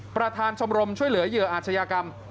ประธานชมรมช่วยเหลือเหยื่ออาชญากรรม